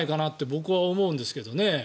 僕は思うんですけどね。